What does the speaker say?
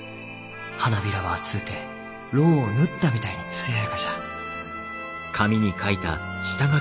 花びらは厚うてロウを塗ったみたいに艶やかじゃ。